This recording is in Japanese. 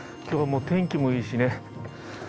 今日はもう天気もいいしね。